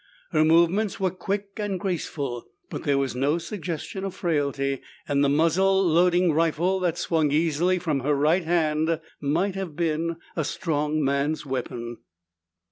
Her movements were quick and graceful. But there was no suggestion of frailty, and the muzzle loading rifle that swung easily from her right hand might have been a strong man's weapon.